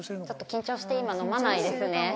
ちょっと緊張して今飲まないですね。